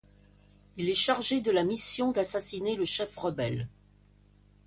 Il est chargé de la mission d'assassiner le chef rebelle.